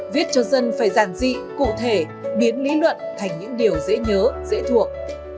viết cho dân phải giản dị cụ thể biến lý luận thành những điều dễ nhớ dễ thuộc